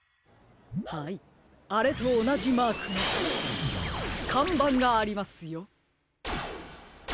はいあれとおなじマークのかんばんがありますよ。